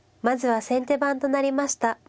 まずは先手番となりました